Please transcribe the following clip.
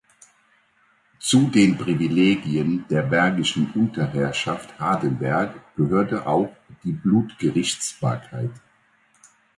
Zu den Privilegien der Bergischen Unterherrschaft Hardenberg gehörte auch die Blutgerichtsbarkeit.